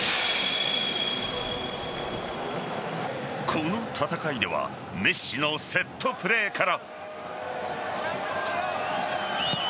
この戦いではメッシのセットプレーから。